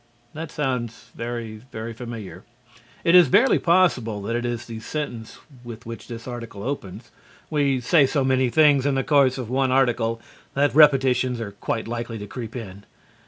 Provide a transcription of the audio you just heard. (That sounds very, very familiar. It is barely possible that it is the sentence with which this article opens. We say so many things in the course of one article that repetitions are quite likely to creep in).